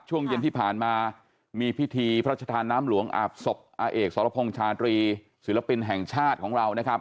ช่วงเย็นที่ผ่านมามีพิธีพระชธาน้ำหลวงอาบศพอาเอกสรพงษ์ชาตรีศิลปินแห่งชาติของเรานะครับ